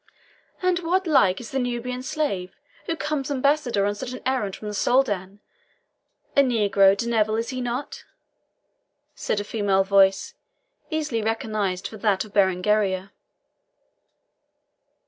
"And what like is the Nubian slave who comes ambassador on such an errand from the Soldan? a negro, De Neville, is he not?" said a female voice, easily recognized for that of Berengaria.